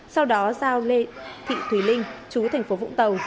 sau đó giao lê thị thùy linh chú tp vũng tàu